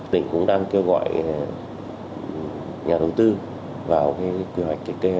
tỉnh cũng đang kêu gọi nhà đầu tư vào quy hoạch kiểm kê